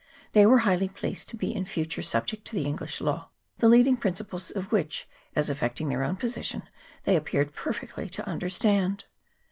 They were highly pleased to be in future subject to the English law, the lead ing principles of which, as affecting their own posi tion, they appeared perfectly to understand.